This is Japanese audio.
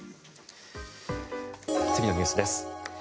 次のニュースです。